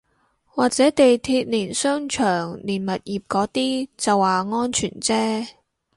或者地鐵連商場連物業嗰啲就話安全啫